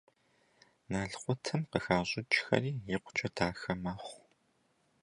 Налкъутым къыхащӏьӀкӀхэри икъукӀэ дахэ мэхъу.